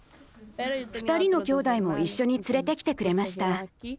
２人のきょうだいも一緒に連れてきてくれました。